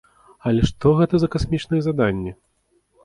Але што гэта за касмічнае заданне?